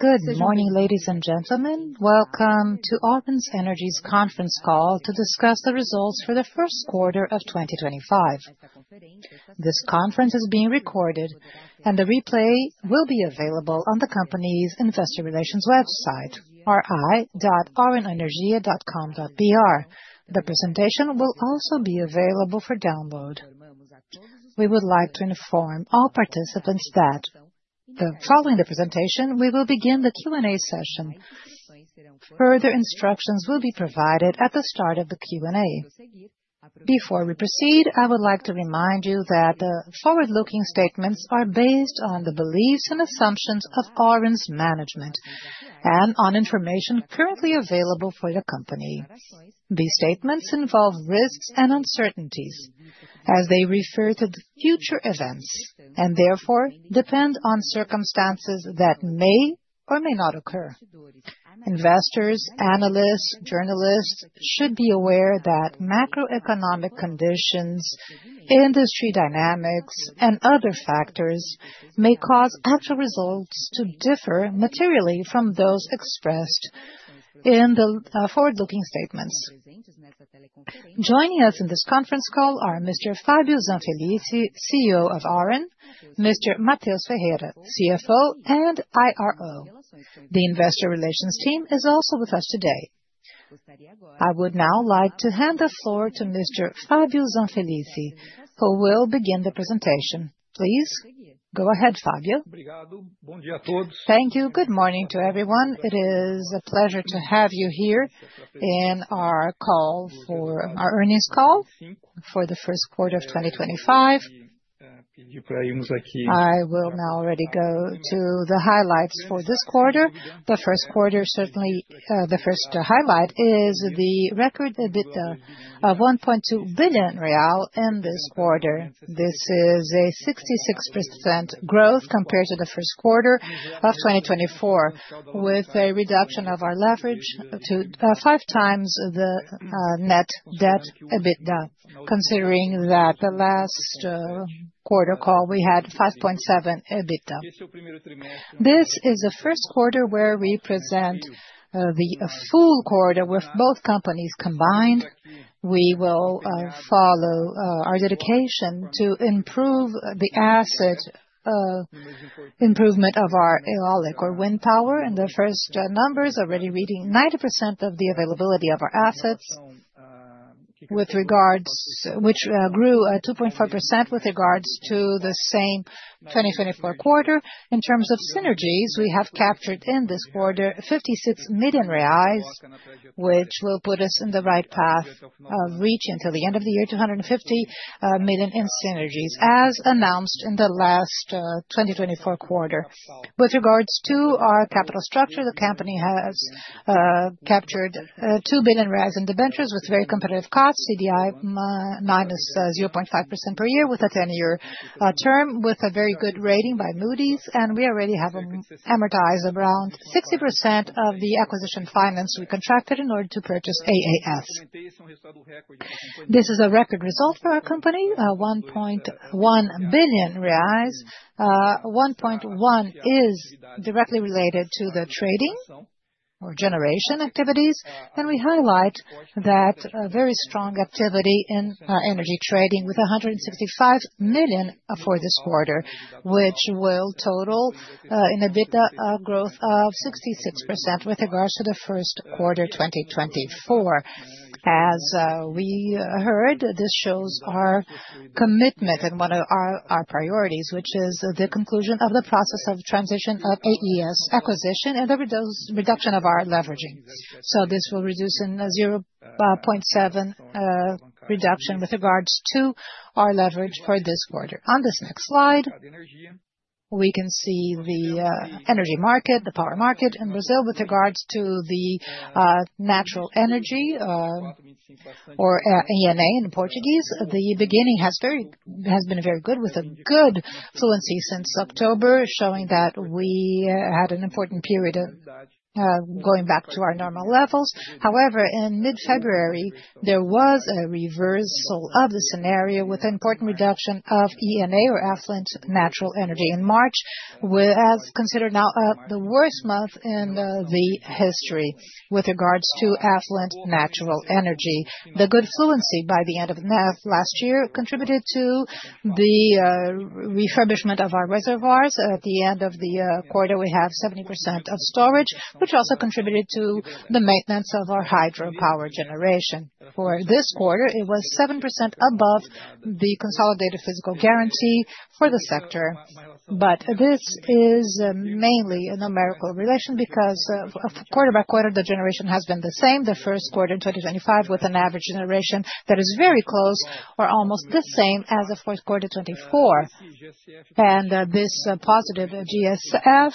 Good morning, ladies and gentlemen. Welcome to Auren Energia's conference call to discuss the results for the first quarter of 2025. This conference is being recorded, and the replay will be available on the company's investor relations website, ri.aurenenergia.com.br. The presentation will also be available for download. We would like to inform all participants that, following the presentation, we will begin the Q&A session. Further instructions will be provided at the start of the Q&A. Before we proceed, I would like to remind you that the forward-looking statements are based on the beliefs and assumptions of Auren's management and on information currently available for the company. These statements involve risks and uncertainties, as they refer to future events and therefore depend on circumstances that may or may not occur. Investors, analysts, and journalists should be aware that macroeconomic conditions, industry dynamics, and other factors may cause actual results to differ materially from those expressed in the forward-looking statements. Joining us in this conference call are Mr. Fabio Zanfellici, CEO of Auren, Mr. Mateus Ferreira, CFO and IRO. The investor relations team is also with us today. I would now like to hand the floor to Mr. Fabio Zanfellici, who will begin the presentation. Please go ahead, Fabio. Thank you. Good morning to everyone. It is a pleasure to have you here in our earnings call for the first quarter of 2025. I will now already go to the highlights for this quarter. The first quarter, certainly the first highlight, is the record of 1.2 billion real in this quarter. This is a 66% growth compared to the first quarter of 2024, with a reduction of our leverage to five times the net debt EBITDA, considering that the last quarter call we had 5.7 EBITDA. This is the first quarter where we present the full quarter with both companies combined. We will follow our dedication to improve the asset improvement of our eolic, or wind power, in the first numbers, already reading 90% of the availability of our assets, which grew 2.4% with regards to the same 2024 quarter. In terms of synergies, we have captured in this quarter 56 million reais, which will put us in the right path of reaching until the end of the year 250 million in synergies, as announced in the last 2024 quarter. With regards to our capital structure, the company has captured 2 billion in debentures with very competitive costs, CDI minus 0.5% per year, with a 10-year term, with a very good rating by Moody's, and we already have amortized around 60% of the acquisition finance we contracted in order to purchase AES Brasil. This is a record result for our company, 1.1 billion reais. 1.1 is directly related to the trading or generation activities, and we highlight that very strong activity in energy trading with 165 million for this quarter, which will total an EBITDA growth of 66% with regards to the first quarter 2024. As we heard, this shows our commitment and one of our priorities, which is the conclusion of the process of transition of AES acquisition and the reduction of our leveraging. This will result in a 0.7% reduction with regards to our leverage for this quarter. On this next slide, we can see the energy market, the power market in Brazil with regards to the natural energy, or ENA in Portuguese. The beginning has been very good with a good fluency since October, showing that we had an important period of going back to our normal levels. However, in mid-February, there was a reversal of the scenario with an important reduction of ENA, or affluent natural energy, in March, as considered now the worst month in the history with regards to affluent natural energy. The good fluency by the end of last year contributed to the refurbishment of our reservoirs. At the end of the quarter, we have 70% of storage, which also contributed to the maintenance of our hydropower generation. For this quarter, it was 7% above the consolidated physical guarantee for the sector. This is mainly a numerical relation because quarter by quarter, the generation has been the same. The first quarter in 2025, with an average generation that is very close or almost the same as the fourth quarter of 2024. This positive GSF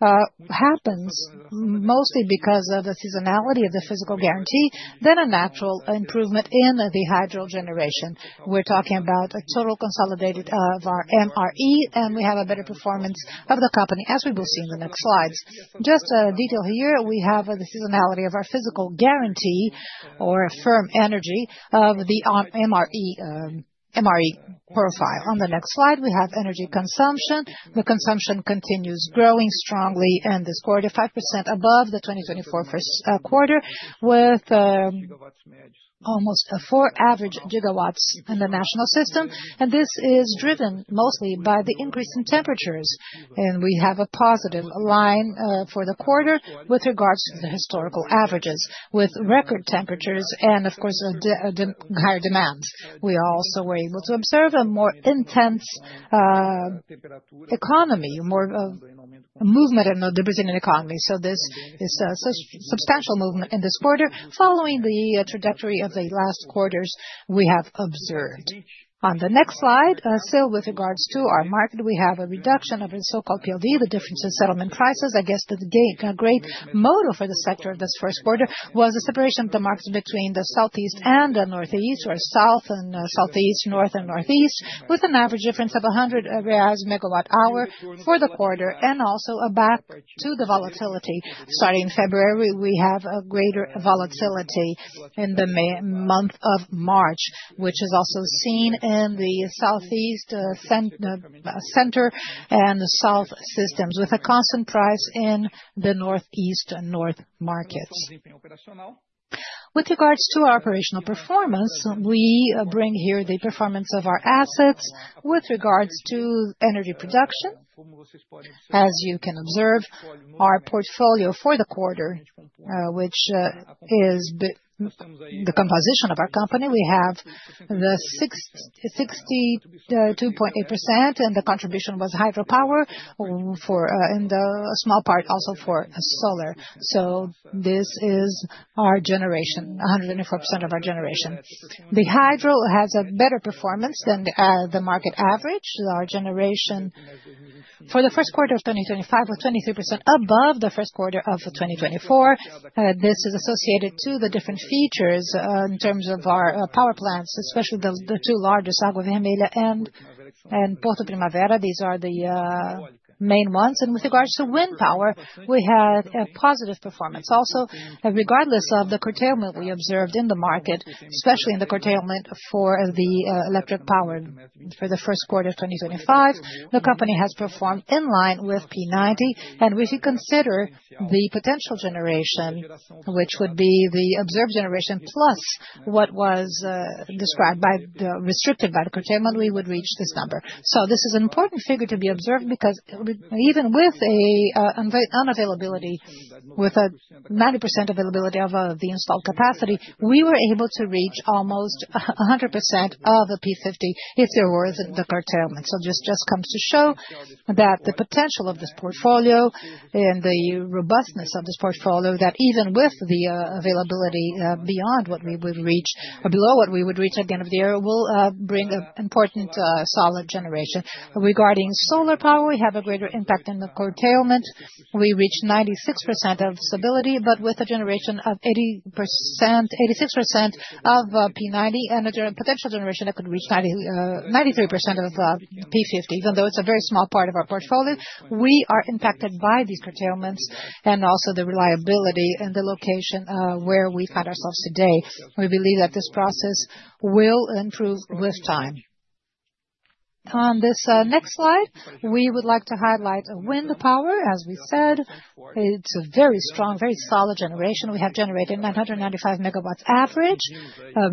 happens mostly because of the seasonality of the physical guarantee, a natural improvement in the hydro generation. We're talking about a total consolidated of our MRE, and we have a better performance of the company, as we will see in the next slides. Just a detail here, we have the seasonality of our physical guarantee, or firm energy, of the MRE profile. On the next slide, we have energy consumption. The consumption continues growing strongly in this quarter, 5% above the 2024 first quarter, with almost four average gigawatts in the national system. This is driven mostly by the increase in temperatures. We have a positive line for the quarter with regards to the historical averages, with record temperatures and, of course, the higher demands. We also were able to observe a more intense economy, more movement in the Brazilian economy. This is a substantial movement in this quarter, following the trajectory of the last quarters we have observed. On the next slide, still with regards to our market, we have a reduction of the so-called PLD, the difference in settlement prices. I guess the great motor for the sector of this first quarter was the separation of the markets between the Southeast and the Northeast, or South and Southeast, North and Northeast, with an average difference of 100 reais per megawatt-hour for the quarter. Also, a back to the volatility. Starting in February, we have a greater volatility in the month of March, which is also seen in the Southeast Center and South systems, with a constant price in the Northeast and North markets. With regards to our operational performance, we bring here the performance of our assets with regards to energy production. As you can observe, our portfolio for the quarter, which is the composition of our company, we have the 62.8%, and the contribution was hydropower in a small part, also for solar. This is our generation, 104% of our generation. The hydro has a better performance than the market average. Our generation for the first quarter of 2025 was 23% above the first quarter of 2024. This is associated to the different features in terms of our power plants, especially the two largest, Água Vermelha and Porto Primavera. These are the main ones. With regards to wind power, we had a positive performance. Also, regardless of the curtailment we observed in the market, especially in the curtailment for the electric power for the first quarter of 2025, the company has performed in line with P90. We should consider the potential generation, which would be the observed generation plus what was described by the restricted by the curtailment, we would reach this number. This is an important figure to be observed because even with an unavailability, with a 90% availability of the installed capacity, we were able to reach almost 100% of the P50 if there were the curtailment. This just comes to show the potential of this portfolio and the robustness of this portfolio, that even with the availability beyond what we would reach, or below what we would reach at the end of the year, will bring an important solid generation. Regarding solar power, we have a greater impact in the curtailment. We reached 96% of stability, but with a generation of 86% of P90 and a potential generation that could reach 93% of P50, even though it is a very small part of our portfolio, we are impacted by these curtailments and also the reliability and the location where we find ourselves today. We believe that this process will improve with time. On this next slide, we would like to highlight wind power. As we said, it is a very strong, very solid generation. We have generated 995 megawatts average.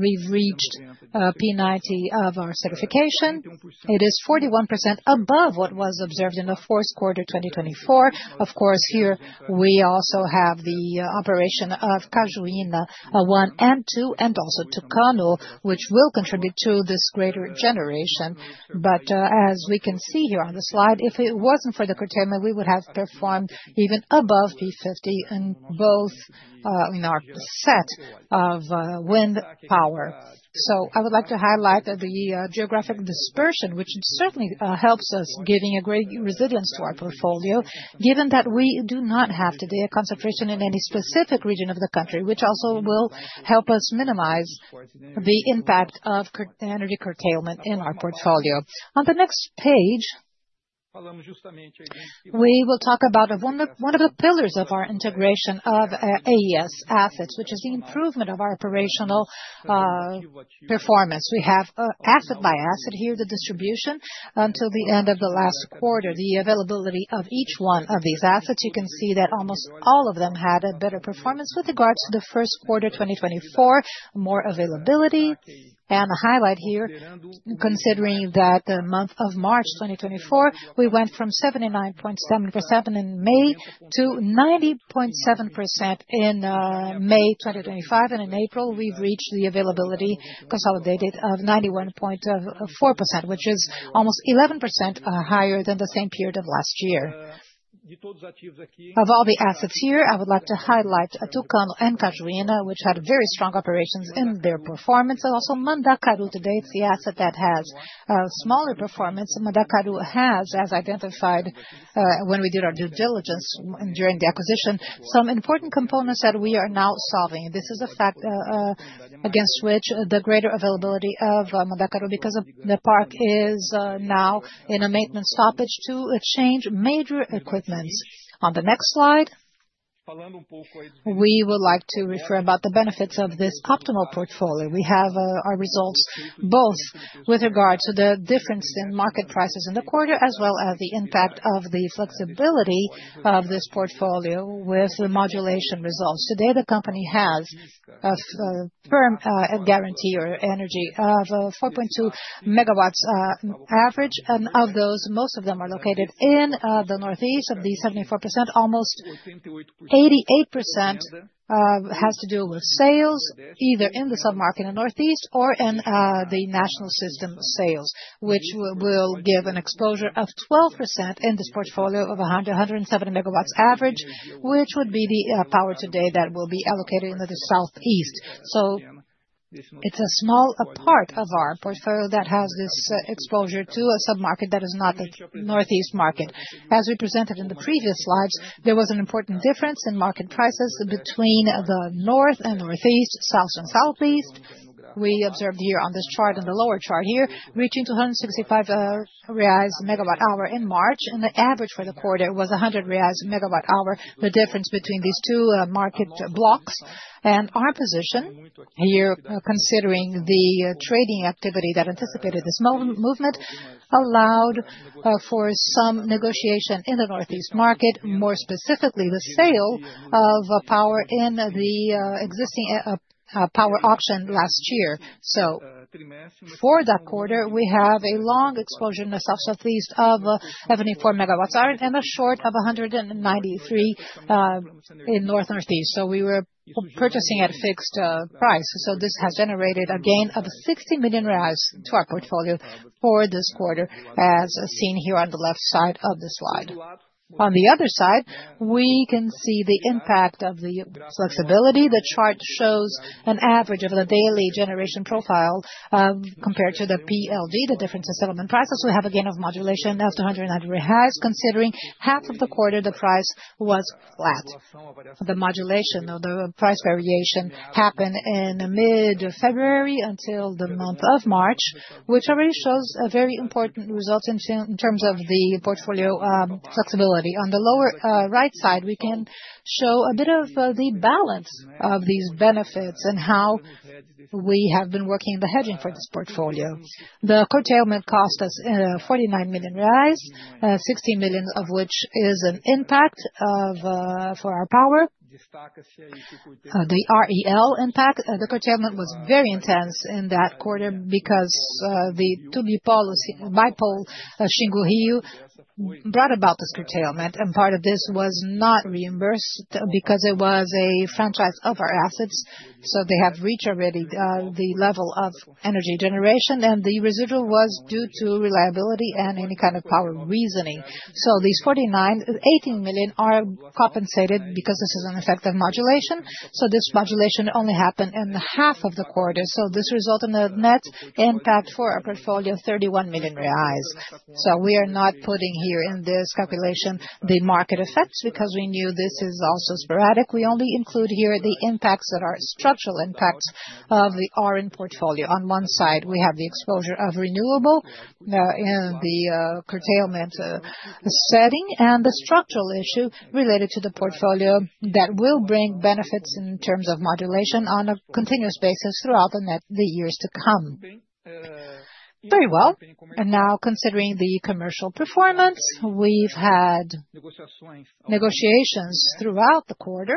We have reached P90 of our certification. It is 41% above what was observed in the fourth quarter of 2024. Of course, here we also have the operation of Cajuína One and Two, and also Tucano, which will contribute to this greater generation. As we can see here on the slide, if it was not for the curtailment, we would have performed even above P50 in both in our set of wind power. I would like to highlight the geographic dispersion, which certainly helps us give a great resilience to our portfolio, given that we do not have today a concentration in any specific region of the country, which also will help us minimize the impact of energy curtailment in our portfolio. On the next page, we will talk about one of the pillars of our integration of AES Brasil assets, which is the improvement of our operational performance. We have asset by asset here, the distribution until the end of the last quarter, the availability of each one of these assets. You can see that almost all of them had a better performance with regards to the first quarter 2024, more availability. A highlight here, considering that the month of March 2024, we went from 79.7% in May to 90.7% in May 2025. In April, we've reached the availability consolidated of 91.4%, which is almost 11% higher than the same period of last year. Of all the assets here, I would like to highlight Tucano and Cajuína, which had very strong operations in their performance. Also, Mandacaru today, it's the asset that has a smaller performance. Mandacaru has, as identified when we did our due diligence during the acquisition, some important components that we are now solving. This is a fact against which the greater availability of Mandacaru, because the park is now in a maintenance stoppage to change major equipment. On the next slide, we would like to refer about the benefits of this optimal portfolio. We have our results both with regards to the difference in market prices in the quarter, as well as the impact of the flexibility of this portfolio with the modulation results. Today, the company has a firm guarantee or energy of 4.2 megawatts average. Of those, most of them are located in the Northeast, 74%. Almost 88% has to do with sales, either in the submarket in the Northeast or in the national system sales, which will give an exposure of 12% in this portfolio of 100-170 megawatts average, which would be the power today that will be allocated in the Southeast. It is a small part of our portfolio that has this exposure to a submarket that is not the Northeast market. As we presented in the previous slides, there was an important difference in market prices between the North and Northeast, South and Southeast. We observed here on this chart and the lower chart here, reaching 265 reais per megawatt-hour in March. The average for the quarter was 100 reais per megawatt-hour, the difference between these two market blocks. Our position here, considering the trading activity that anticipated this movement, allowed for some negotiation in the northeast market, more specifically the sale of power in the existing power auction last year. For that quarter, we have a long exposure in the south southeast of 74 megawatts-hour and a short of 193 in north northeast. We were purchasing at a fixed price. This has generated a gain of 60 million reais to our portfolio for this quarter, as seen here on the left side of the slide. On the other side, we can see the impact of the flexibility. The chart shows an average of the daily generation profile compared to the PLD, the difference in settlement prices. We have a gain of modulation of 290 reais, considering half of the quarter the price was flat. The modulation of the price variation happened in mid-February until the month of March, which already shows very important results in terms of the portfolio flexibility. On the lower right side, we can show a bit of the balance of these benefits and how we have been working in the hedging for this portfolio. The curtailment cost us 49 million, 60 million of which is an impact for our power, the REL impact. The curtailment was very intense in that quarter because the Tubi Policy by Paulo Xinguhiu brought about this curtailment. Part of this was not reimbursed because it was a franchise of our assets. They have reached already the level of energy generation. The residual was due to reliability and any kind of power reasoning. These 49.18 million are compensated because this is an effect of modulation. This modulation only happened in half of the quarter. This resulted in a net impact for our portfolio of 31 million reais. We are not putting here in this calculation the market effects because we knew this is also sporadic. We only include here the impacts that are structural impacts of the Auren portfolio. On one side, we have the exposure of renewable in the curtailment setting and the structural issue related to the portfolio that will bring benefits in terms of modulation on a continuous basis throughout the years to come. Very well. Now, considering the commercial performance, we have had negotiations throughout the quarter.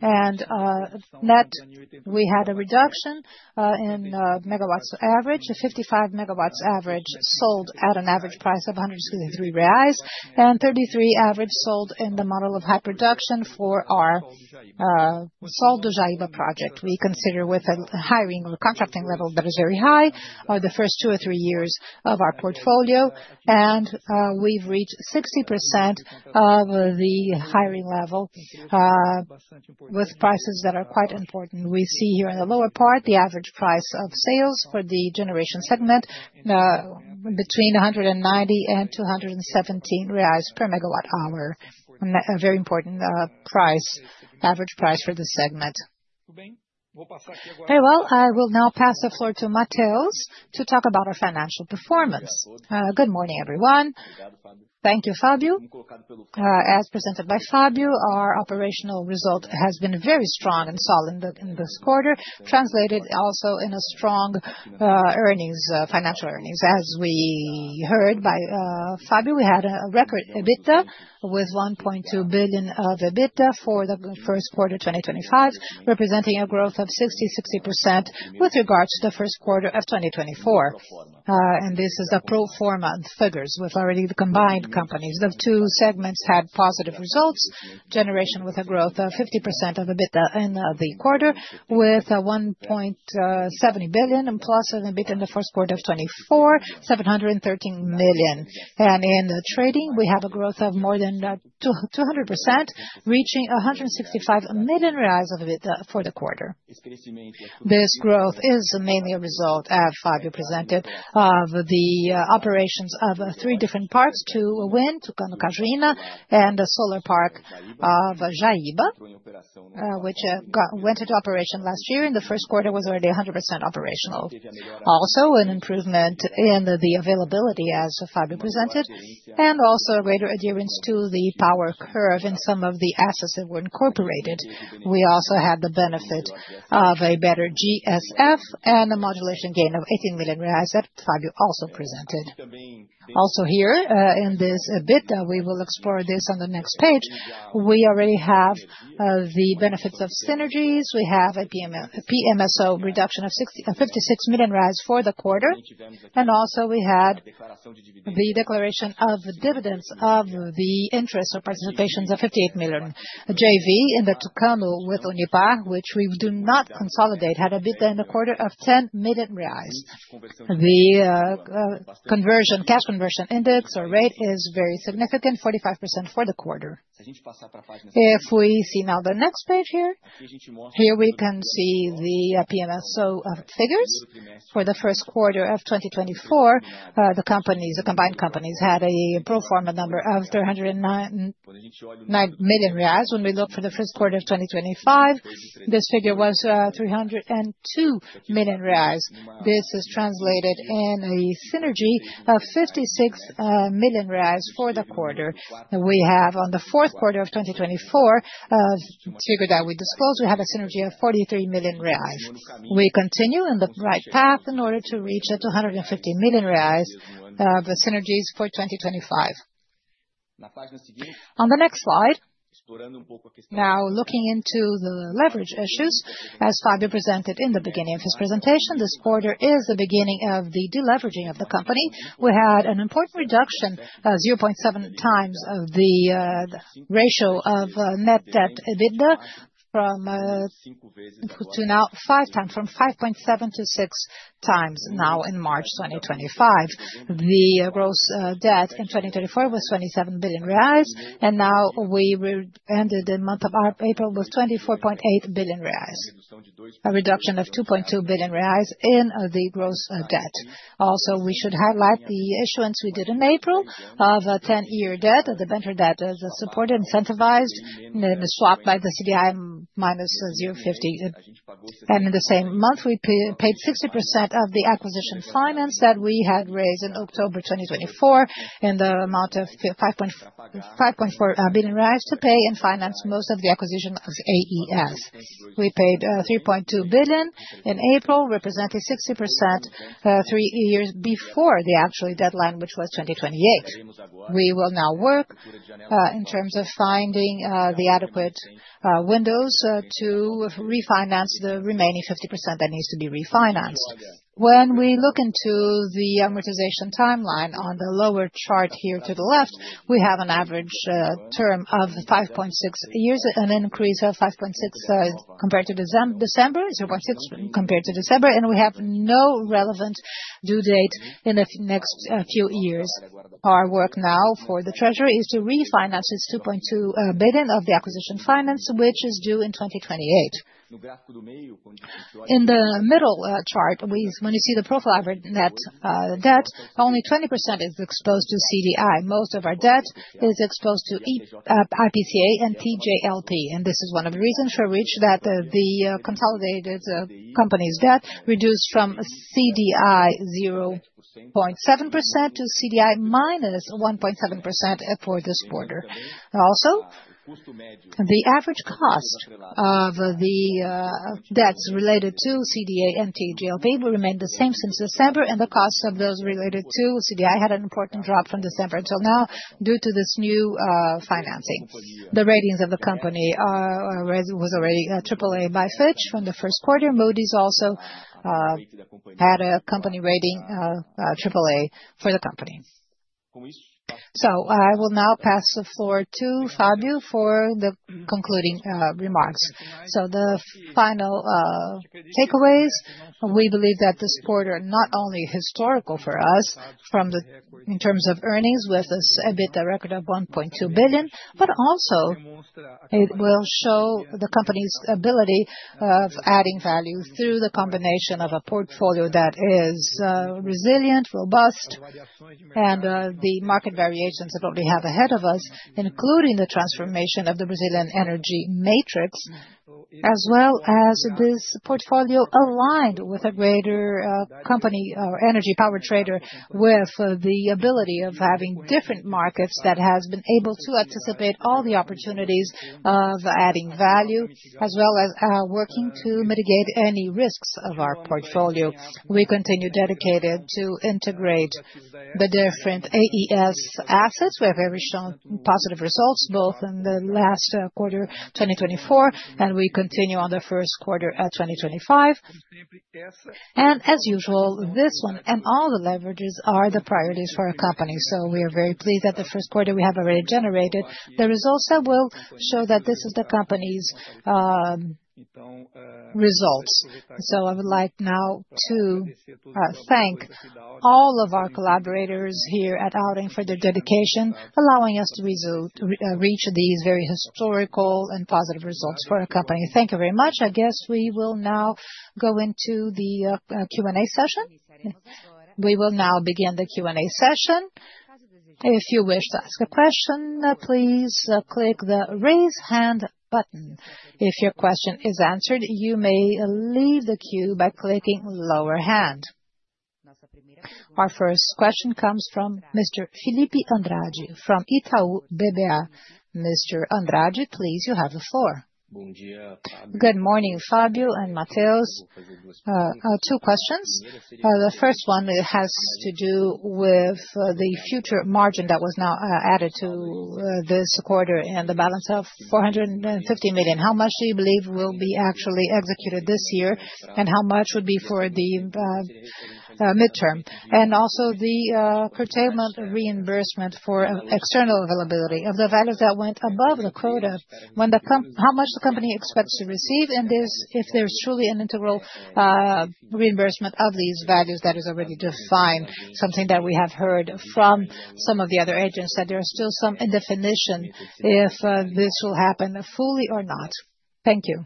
Net, we had a reduction in megawatts average, a 55 megawatts average sold at an average price of 163 reais, and 33 average sold in the model of high production for our sold the Jaíba project. We consider with a hiring or contracting level that is very high or the first two or three years of our portfolio. We have reached 60% of the hiring level with prices that are quite important. We see here in the lower part, the average price of sales for the generation segment between 190 and 217 reais per megawatt-hour, a very important average price for the segment. Very well. I will now pass the floor to Mateus to talk about our financial performance. Good morning, everyone. Thank you, Fabio. As presented by Fabio, our operational result has been very strong and solid in this quarter, translated also in strong financial earnings. As we heard by Fabio, we had a record EBITDA with 1.2 billion of EBITDA for the first quarter 2025, representing a growth of 60-60% with regards to the first quarter of 2024. This is a pro forma figures with already the combined companies. The two segments had positive results, generation with a growth of 50% of EBITDA in the quarter with 1.7 billion and plus of EBITDA in the first quarter of 24, 713 million. In the trading, we have a growth of more than 200%, reaching 165 million reais of EBITDA for the quarter. This growth is mainly a result of Fabio presented of the operations of three different parks to wind, Tucano, Cajuína, and the solar park of Jaíba, which went into operation last year. In the first quarter, it was already 100% operational. Also, an improvement in the availability, as Fabio presented, and also a greater adherence to the power curve in some of the assets that were incorporated. We also had the benefit of a better GSF and a modulation gain of 18 million reais that Fabio also presented. Also here, in this EBITDA, we will explore this on the next page. We already have the benefits of synergies. We have a PMSO reduction of 56 million for the quarter. Also, we had the declaration of dividends of the interest or participations of 58 million JV in the Tucano with Unipar, which we do not consolidate, had an EBITDA in the quarter of 10 million reais. The cash conversion index or rate is very significant, 45% for the quarter. If we see now the next page here, here we can see the PMSO figures for the first quarter of 2024. The combined companies had a pro forma number of 309 million reais. When we look for the first quarter of 2025, this figure was 302 million reais. This is translated in a synergy of 56 million reais for the quarter. We have, on the fourth quarter of 2024, the figure that we disclosed, we have a synergy of 43 million reais. We continue in the right path in order to reach 250 million reais of the synergies for 2025. On the next slide, now looking into the leverage issues, as Fabio presented in the beginning of his presentation, this quarter is the beginning of the deleveraging of the company. We had an important reduction of 0.7 times of the ratio of net debt EBITDA from 5.7 times to 5 times now in March 2025. The gross debt in 2024 was 27 billion reais, and now we ended the month of April with 24.8 billion reais, a reduction of 2.2 billion reais in the gross debt. Also, we should highlight the issuance we did in April of a 10-year debt, the venture debt that was supported, incentivized, and swapped by the CDI minus 0.50. In the same month, we paid 60% of the acquisition finance that we had raised in October 2024 in the amount of 5.4 billion to pay and finance most of the acquisition of AES Brasil. We paid 3.2 billion in April, representing 60% three years before the actual deadline, which was 2028. We will now work in terms of finding the adequate windows to refinance the remaining 50% that needs to be refinanced. When we look into the amortization timeline on the lower chart here to the left, we have an average term of 5.6 years, an increase of 0.6 compared to December, and we have no relevant due date in the next few years. Our work now for the Treasury is to refinance its 2.2 billion of the acquisition finance, which is due in 2028. In the middle chart, when you see the profile of net debt, only 20% is exposed to CDI. Most of our debt is exposed to IPCA and TJLP. This is one of the reasons for which the consolidated company's debt reduced from CDI 0.7% to CDI minus 1.7% for this quarter. Also, the average cost of the debts related to CDA and TJLP will remain the same since December, and the cost of those related to CDI had an important drop from December until now due to this new financing. The ratings of the company were already AAA by Fitch from the first quarter. Moody's also had a company rating AAA for the company. I will now pass the floor to Fabio for the concluding remarks. The final takeaways, we believe that this quarter is not only historical for us in terms of earnings with this EBITDA record of 1.2 billion, but also it will show the company's ability of adding value through the combination of a portfolio that is resilient, robust, and the market variations that we have ahead of us, including the transformation of the Brazilian energy matrix, as well as this portfolio aligned with a greater company or energy power trader with the ability of having different markets that has been able to anticipate all the opportunities of adding value, as well as working to mitigate any risks of our portfolio. We continue dedicated to integrate the different AES Brasil assets. We have very strong positive results both in the last quarter 2024, and we continue on the first quarter of 2025. As usual, this one and all the leverages are the priorities for our company. We are very pleased that the first quarter we have already generated. The results will show that this is the company's results. I would like now to thank all of our collaborators here at Auren for their dedication, allowing us to reach these very historical and positive results for our company. Thank you very much. I guess we will now go into the Q&A session. We will now begin the Q&A session. If you wish to ask a question, please click the raise hand button. If your question is answered, you may leave the queue by clicking lower hand. Our first question comes from Mr. Filipe Andrade from Itaú BBA. Mr. Andrade, please, you have the floor. Good morning, Fabio and Mateus. Two questions. The first one has to do with the future margin that was now added to this quarter and the balance of 450 million. How much do you believe will be actually executed this year and how much would be for the midterm? Also, the curtailment reimbursement for external availability of the values that went above the quota, how much the company expects to receive in this if there's truly an integral reimbursement of these values that is already defined, something that we have heard from some of the other agents that there is still some indefinition if this will happen fully or not. Thank you.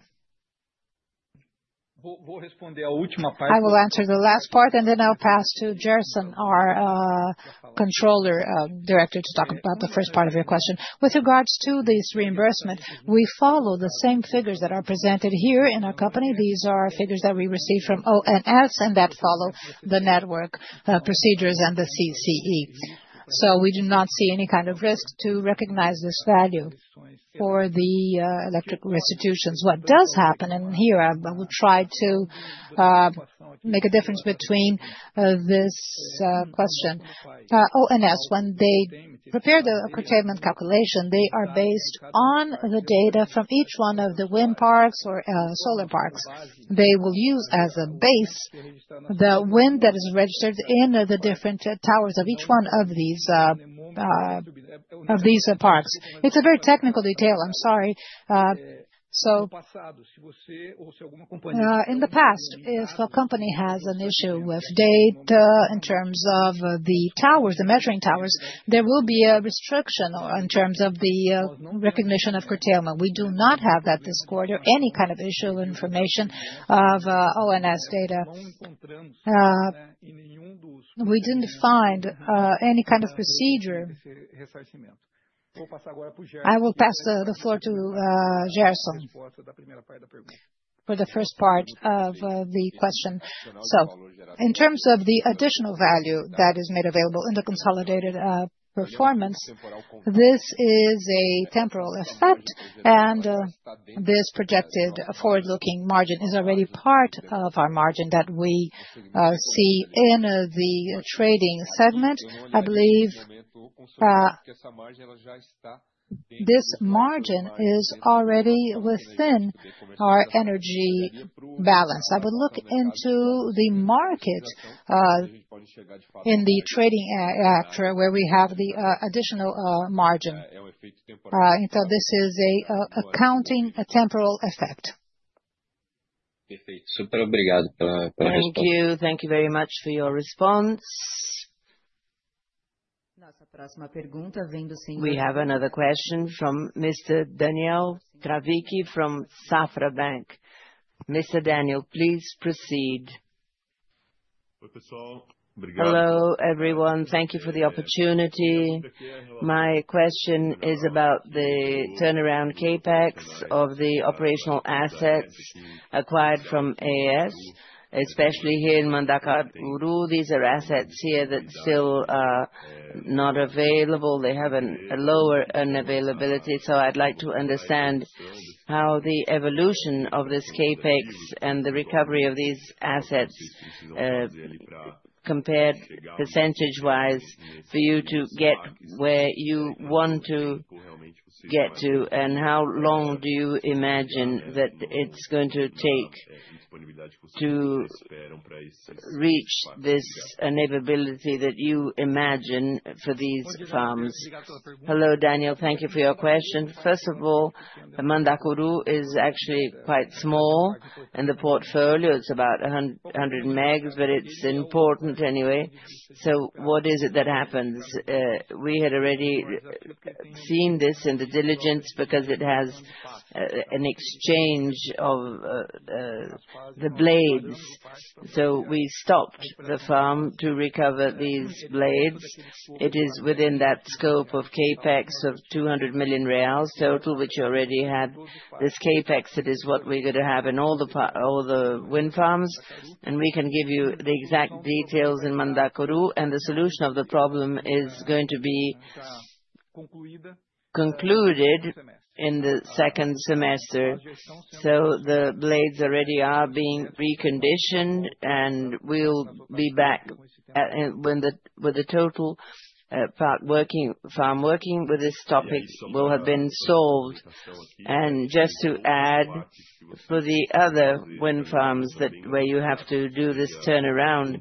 I will answer the last part, and then I'll pass to Gerson, our Controller Director, to talk about the first part of your question. With regards to this reimbursement, we follow the same figures that are presented here in our company. These are figures that we received from ONS and that follow the network procedures and the CCEE. We do not see any kind of risk to recognize this value for the electric restitutions. What does happen, and here I will try to make a difference between this question. ONS, when they prepare the curtailment calculation, they are based on the data from each one of the wind parks or solar parks. They will use as a base the wind that is registered in the different towers of each one of these parks. It's a very technical detail. I'm sorry. In the past, if a company has an issue with data in terms of the towers, the measuring towers, there will be a restriction in terms of the recognition of curtailment. We do not have that this quarter, any kind of issue information of ONS data. We didn't find any kind of procedure. I will pass the floor to Gerson for the first part of the question. In terms of the additional value that is made available in the consolidated performance, this is a temporal effect, and this projected forward-looking margin is already part of our margin that we see in the trading segment. I believe this margin is already within our energy balance. I would look into the market in the trading actor where we have the additional margin. This is an accounting temporal effect. Thank you. Thank you very much for your response. We have another question from Mr. Daniel Travitzky from Safra Bank. Mr. Daniel, please proceed. Hello, everyone. Thank you for the opportunity. My question is about the turnaround CapEx of the operational assets acquired from AES, especially here in Mandacaru. These are assets here that are still not available. They have a lower availability. I'd like to understand how the evolution of this CapEx and the recovery of these assets compared percentage-wise for you to get where you want to get to, and how long do you imagine that it's going to take to reach this enableability that you imagine for these farms? Hello, Daniel. Thank you for your question. First of all, Mandacaru is actually quite small in the portfolio. It's about 100 MW, but it's important anyway. What is it that happens? We had already seen this in the diligence because it has an exchange of the blades. We stopped the farm to recover these blades. It is within that scope of CapEx of 200 million reais total, which you already had. This CapEx, it is what we're going to have in all the wind farms, and we can give you the exact details in Mandacaru, and the solution of the problem is going to be concluded in the second semester. The blades already are being reconditioned, and we'll be back with the total farm working with this topic will have been solved. Just to add, for the other wind farms where you have to do this turnaround,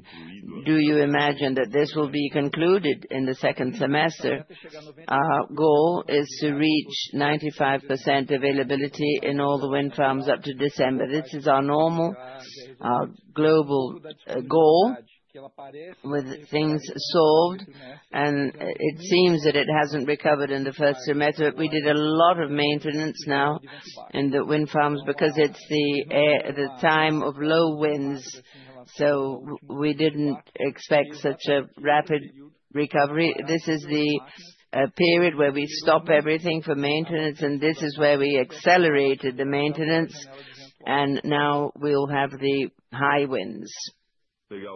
do you imagine that this will be concluded in the second semester? Our goal is to reach 95% availability in all the wind farms up to December. This is our normal global goal with things solved, and it seems that it hasn't recovered in the first semester, but we did a lot of maintenance now in the wind farms because it's the time of low winds, so we didn't expect such a rapid recovery. This is the period where we stop everything for maintenance, and this is where we accelerated the maintenance, and now we'll have the high winds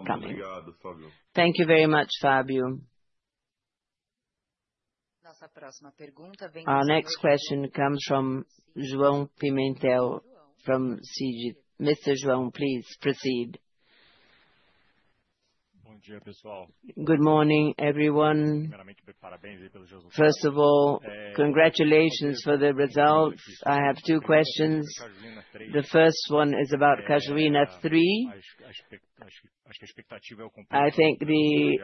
coming. Thank you very much, Fabio. Our next question comes from João Pimentel from Citi. Mr. João, please proceed. Good morning, everyone. First of all, congratulations for the results. I have two questions. The first one is about Cajuína 3. I think the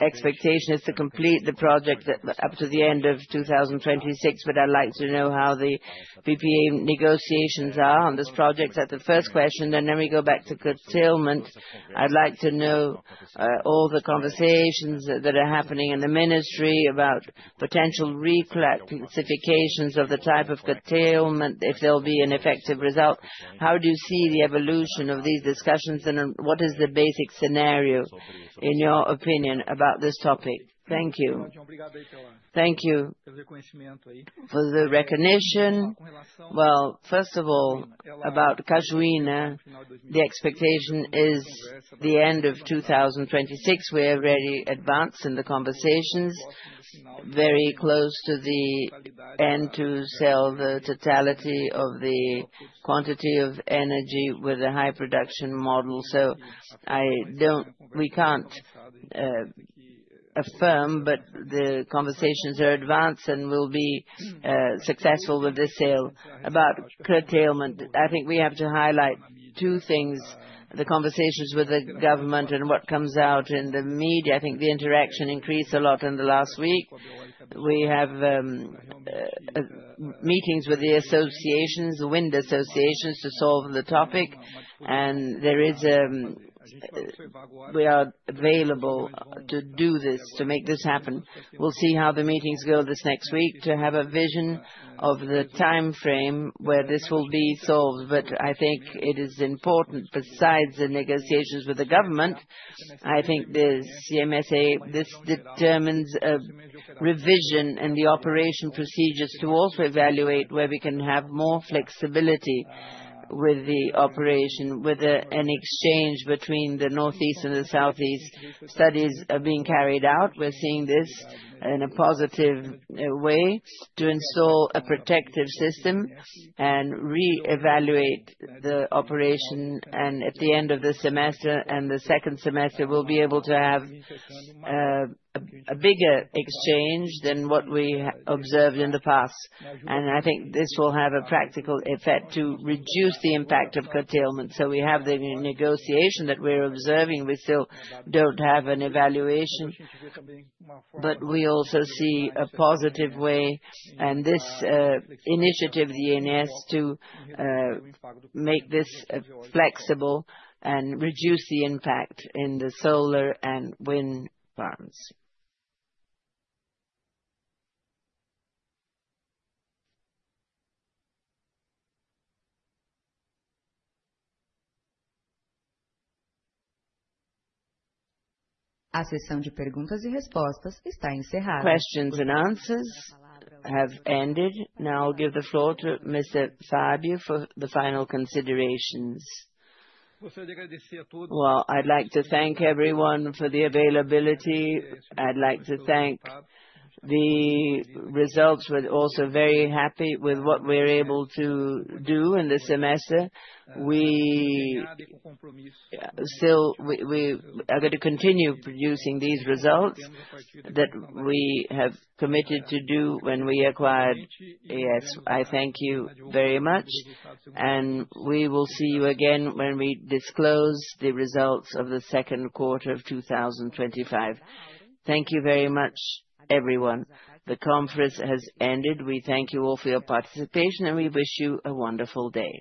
expectation is to complete the project up to the end of 2026, but I'd like to know how the PPA negotiations are on this project. That's the first question, and then we go back to curtailment. I'd like to know all the conversations that are happening in the ministry about potential reclassifications of the type of curtailment, if there'll be an effective result. How do you see the evolution of these discussions, and what is the basic scenario, in your opinion, about this topic? Thank you. Thank you for the recognition. First of all, about Cajuína, the expectation is the end of 2026. We're already advanced in the conversations, very close to the end to sell the totality of the quantity of energy with a high production model. We can't affirm, but the conversations are advanced and will be successful with this sale. About curtailment, I think we have to highlight two things: the conversations with the government and what comes out in the media. I think the interaction increased a lot in the last week. We have meetings with the associations, the wind associations, to solve the topic, and we are available to do this, to make this happen. We'll see how the meetings go this next week to have a vision of the timeframe where this will be solved. I think it is important, besides the negotiations with the government, I think the CMSA, this determines a revision in the operation procedures to also evaluate where we can have more flexibility with the operation, with an exchange between the Northeast and the Southeast. Studies are being carried out. We're seeing this in a positive way to install a protective system and reevaluate the operation. At the end of the semester and the second semester, we'll be able to have a bigger exchange than what we observed in the past. I think this will have a practical effect to reduce the impact of curtailment. We have the negotiation that we're observing. We still don't have an evaluation, but we also see a positive way. This initiative, the ONS, to make this flexible and reduce the impact in the solar and wind farms. A sessão de perguntas e respostas está encerrada. Questions and answers have ended. Now I'll give the floor to Mr. Fabio for the final considerations. I would like to thank everyone for the availability. I would like to thank the results. We're also very happy with what we're able to do in the semester. We are going to continue producing these results that we have committed to do when we acquired AES Brasil. I thank you very much, and we will see you again when we disclose the results of the second quarter of 2025. Thank you very much, everyone. The conference has ended. We thank you all for your participation, and we wish you a wonderful day.